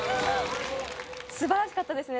素晴らしかったですね。